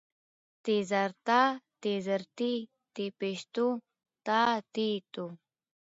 ت زر تا، ت زېر تي، ت پېښ تو، تا تي تو